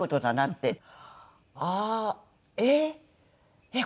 あっえっ？